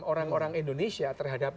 orang orang indonesia terhadap